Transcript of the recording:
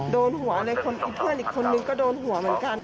โดนหัวเลยเพื่อนอีกคนนึงก็โดนหัวเหมือนกัน